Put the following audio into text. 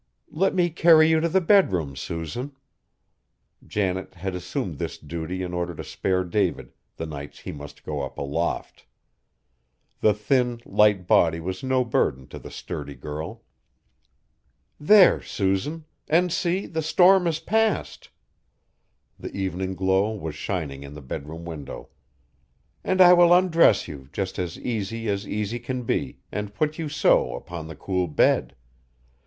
"Let me carry you to the bedroom, Susan." Janet had assumed this duty in order to spare David, the nights he must go up aloft. The thin, light body was no burden to the sturdy girl. "There, Susan, and see the storm is past!" The evening glow was shining in the bedroom window. "And I will undress you, just as easy as easy can be, and put you so, upon the cool bed!